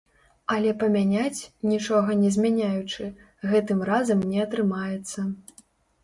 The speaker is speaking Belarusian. Але памяняць, нічога не змяняючы, гэтым разам не атрымаецца.